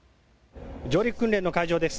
上陸訓練の会場です。